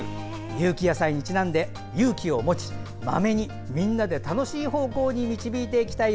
有機野菜にちなんで勇気を持ちまめにみんなで楽しい方向に導いていきたい。